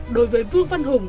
đối với vương văn hùng